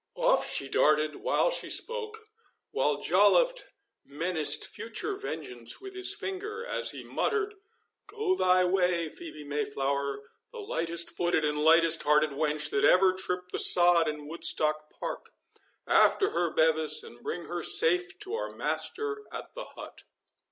Off she darted while she spoke, while Joliffe menaced future vengeance with his finger, as he muttered, "Go thy way, Phœbe Mayflower, the lightest footed and lightest hearted wench that ever tripped the sod in Woodstock park!—After her, Bevis, and bring her safe to our master at the hut."